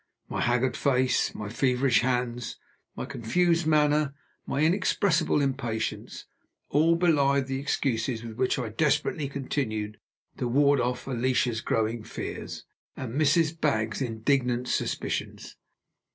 My haggard face, my feverish hands, my confused manner, my inexpressible impatience, all belied the excuses with which I desperately continued to ward off Alicia's growing fears, and Mrs. Baggs's indignant suspicions.